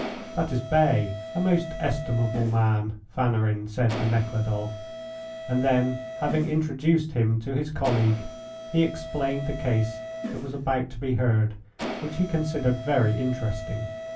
"That is Bay, a most estimable man," Fanarin said to Nekhludoff, and then having introduced him to his colleague, he explained the case that was about to be heard, which he considered very interesting.